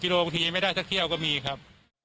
โลบางทีไม่ได้ถ้าเคี่ยวก็มีครับ